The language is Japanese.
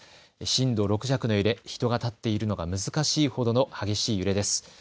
震度６弱の揺れ、人が立っているのが難しいほどの激しい揺れです。